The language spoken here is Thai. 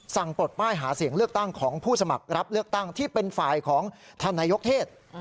ปลดป้ายหาเสียงเลือกตั้งของผู้สมัครรับเลือกตั้งที่เป็นฝ่ายของท่านนายกเทศ